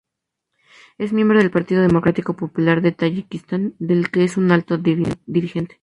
Es miembro del Partido Democrático Popular de Tayikistán, del que es un alto dirigente.